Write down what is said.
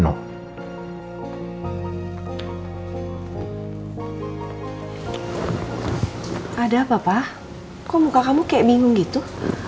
kok muka kamu kayak bingung gitu